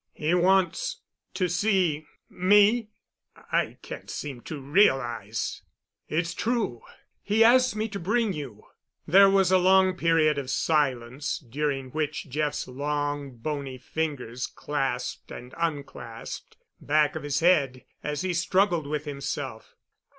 "He wants—to see me? I can't—seem to realize——" "It's true—he asked me to bring you." There was a long period of silence, during which Jeff's long, bony fingers clasped and unclasped back of his head as he struggled with himself.